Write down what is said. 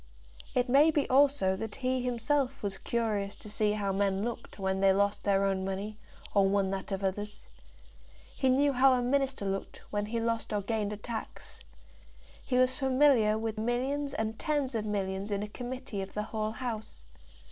It may be also that he himself was curious to see how men looked when they lost their own money, or won that of others. He knew how a Minister looked when he lost or gained a tax. He was familiar with millions and tens of millions in a committee of the whole House.